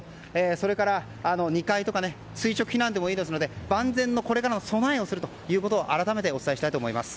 それから、２階とか垂直避難でもいいですので万全の備えをこれからするということを改めてお伝えしたいと思います。